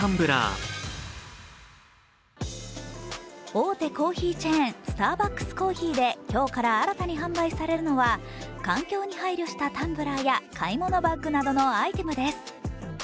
大手コーヒーチェーン、スターバックスコーヒーで今日から新たに販売されるのは環境に配慮したタンブラーや買い物バッグなどのアイテムです。